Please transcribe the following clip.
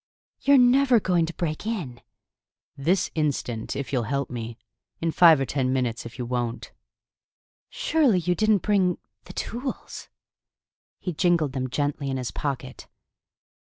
"You're never going to break in?" "This instant, if you'll, help me; in five or ten minutes, if you won't." "Surely you didn't bring the the tools?" He jingled them gently in his pocket.